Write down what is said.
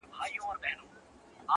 • ږغونه ورک دي د ماشومانو,